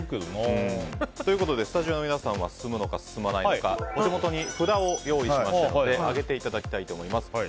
スタジオの皆さんは進むのか、進まないのかお手元に札を用意しましたので上げていただきたいと思います。